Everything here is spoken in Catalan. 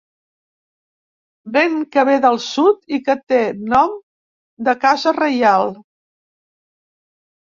Vent que ve del sud i que té nom de casa reial.